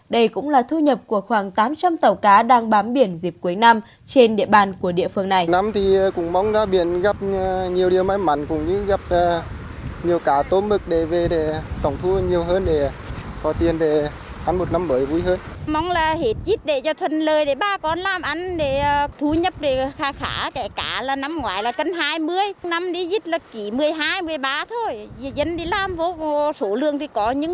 đây cũng là thu nhập của khoảng tám trăm linh tàu cá đang bám biển dịp quế năm trên địa bàn của địa phương này